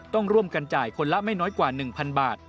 ต้องร่วมกันจ่ายคนละไม่น้อยกว่า๑๐๐บาท